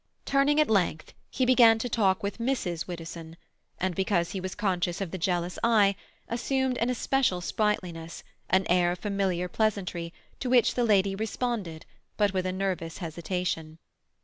Turning at length, he began to talk with Mrs. Widdowson, and, because he was conscious of the jealous eye, assumed an especial sprightliness, an air of familiar pleasantry, to which the lady responded, but with a nervous hesitation.